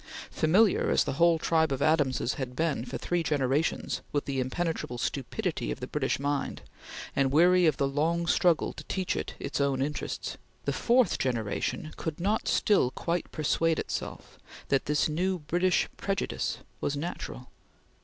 Familiar as the whole tribe of Adamses had been for three generations with the impenetrable stupidity of the British mind, and weary of the long struggle to teach it its own interests, the fourth generation could still not quite persuade itself that this new British prejudice was natural.